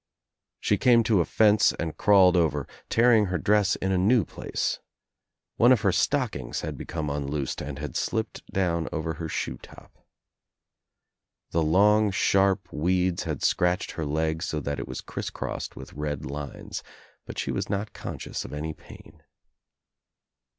She came to a fence and crawled over, tearing her dress in a new place. One of her stockings had become unloosed and had slipped down over her shoe top. The long sharp weeds had scratched her leg so that it was criss crossed with red lines, but she was not conscious of any pain.